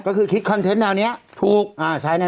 ก็คือคิดคอนเทนต์แนวนี้ใช่แนวนี้